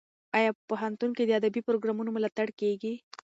ایا په پوهنتون کې د ادبي پروګرامونو ملاتړ کیږي؟